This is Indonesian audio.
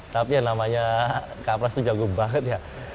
tapi yang namanya kak pras tuh jago banget ya